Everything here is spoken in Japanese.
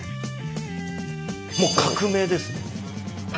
もう革命ですね。